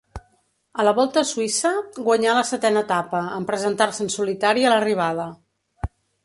A la Volta a Suïssa guanyà la setena etapa, en presentar-se en solitari a l'arribada.